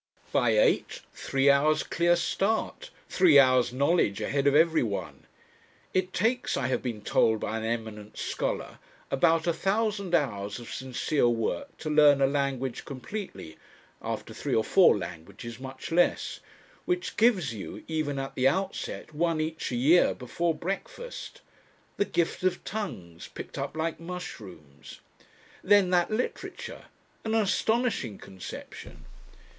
By eight three hours' clear start, three hours' knowledge ahead of everyone. It takes, I have been told by an eminent scholar, about a thousand hours of sincere work to learn a language completely after three or four languages much less which gives you, even at the outset, one each a year before breakfast. The gift of tongues picked up like mushrooms! Then that "literature" an astonishing conception!